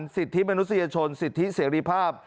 สิทธิมนุษยชนสิทธิเสรีภาพ